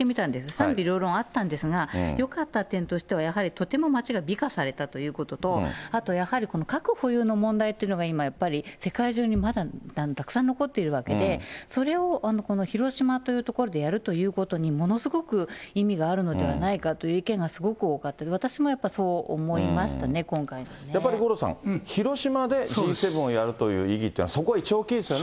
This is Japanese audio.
賛否両論あったんですが、よかった点としては、とても街が美化されたということと、あとやはり核保有の問題っていうのが、今やっぱり世界中にまだたくさん残っているわけで、それをこの広島という所でやるということにものすごく意味があるのではないかという意見がすごく多かった、私もすごくそう思いまやっぱり五郎さん、広島でＧ７をやる意義っていうのは、そこ一番大きいですよね。